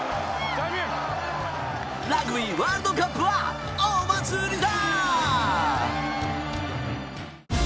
ラグビーワールドカップはお祭りだ！